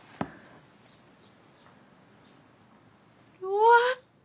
終わった。